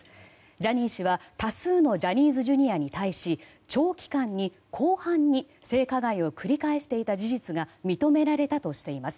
ジャニー氏は多数のジャニーズＪｒ．に対し長期間に広範に性加害を繰り返していた事実が認められたとしています。